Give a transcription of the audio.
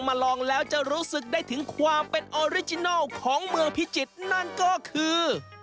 ลองแล้วจะรู้สึกได้ถึงความเป็นออริจินัลของเมืองพิจิตรนั่นก็คือ